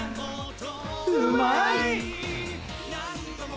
うまい。